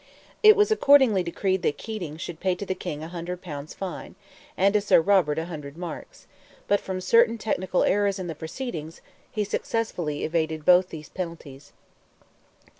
It was accordingly decreed that Keating should pay to the King a hundred pounds fine, and to Sir Robert a hundred marks; but, from certain technical errors in the proceedings, he successfully evaded both these penalties.